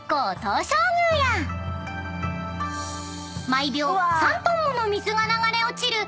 ［毎秒３ｔもの水が流れ落ちる］